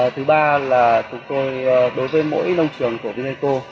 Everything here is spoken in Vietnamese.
thứ ba là chúng tôi đối với mỗi nông trường của vineco